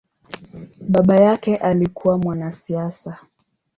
Baba yake alikua mwanasiasa.